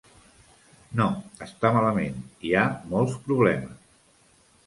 No, està malament, hi ha molts problemes.